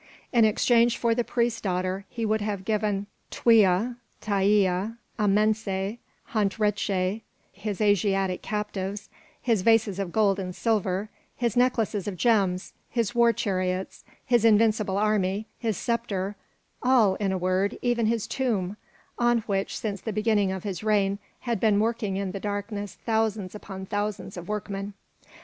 In exchange for the priest's daughter he would have given Twea, Taïa, Amense, Hont Reché, his Asiatic captives, his vases of gold and silver, his necklaces of gems, his war chariots, his invincible army, his sceptre, all, in a word, even his tomb, on which since the beginning of his reign had been working in the darkness thousands upon thousands of workmen.